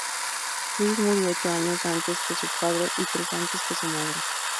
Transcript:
Luis murió ocho años antes que su padre y tres antes que su madre.